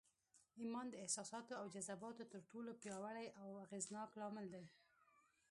ايمان د احساساتو او جذباتو تر ټولو پياوړی او اغېزناک لامل دی.